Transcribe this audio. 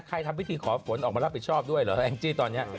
ทำพิธีขอฝนออกมารับผิดชอบด้วยเหรอแองจี้ตอนนี้